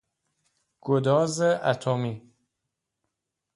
گداز اتمی